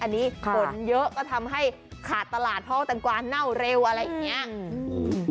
อันนี้ฝนเยอะก็ทำให้ขาดตลาดเพราะว่าแตงกวาเน่าเร็วอะไรอย่างนี้